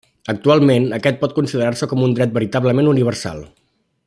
Actualment, aquest pot considerar-se com un dret veritablement universal.